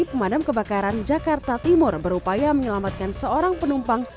pemadam kebakaran jakarta timur berupaya menyelamatkan seorang penumpang